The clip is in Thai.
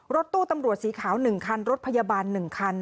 รถตู้ตำรวจสีขาว๑คันรถพยาบาล๑คัน